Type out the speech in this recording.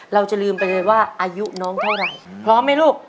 เราจะลืมไปเลยว่าอายุน้องเท่าไหร่พร้อมไหมลูก